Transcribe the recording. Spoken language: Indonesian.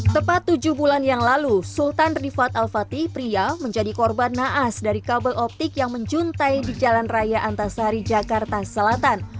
tepat tujuh bulan yang lalu sultan rifat al fatih pria menjadi korban naas dari kabel optik yang menjuntai di jalan raya antasari jakarta selatan